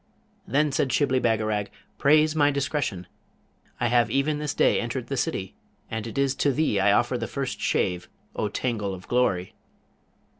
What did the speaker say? Then said Shibli Bagarag, 'Praise my discretion! I have even this day entered the city, and it is to thee I offer the first shave, O tangle of glory!'